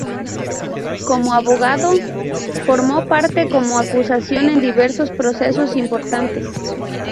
Como abogado, formó parte como acusación en diversos procesos importantes.